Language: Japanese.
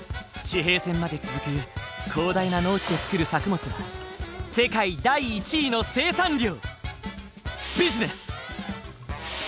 地平線まで続く広大な農地で作る作物は世界第１位の生産量！